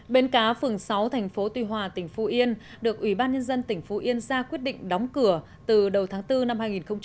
bến cá phường sáu thành phố tuy hòa tỉnh phú yên được ủy ban nhân dân tỉnh phú yên ra quyết định đóng cửa từ đầu tháng bốn năm hai nghìn hai mươi